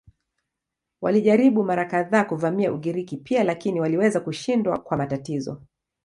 Walijaribu mara kadhaa kuvamia Ugiriki pia lakini waliweza kushindwa kwa matatizo.